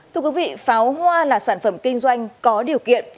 thưa quý vị pháo hoa là sản phẩm kinh doanh có điều kiện